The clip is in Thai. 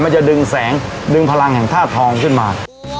จะดึงแสงดึงพลังแห่งธาตุทองขึ้นมา